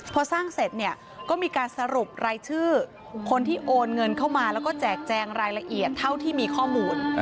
พอสร้างเสร็จเนี่ยก็มีการสรุปรายชื่อคนที่โอนเงินเข้ามาแล้วก็แจกแจงรายละเอียดเท่าที่มีข้อมูล